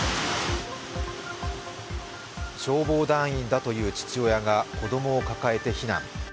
消防団員だという父親が子供を抱えて避難。